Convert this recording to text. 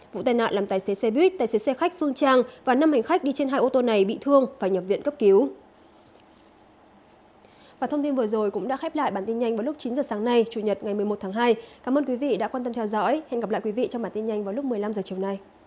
vụ tai nạn làm tài xế xe buýt tài xế xe khách phương trang và năm hành khách đi trên hai ô tô này bị thương phải nhập viện cấp cứu